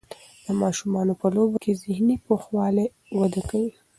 د ماشومانو په لوبو کې ذهني پوخوالی وده کوي.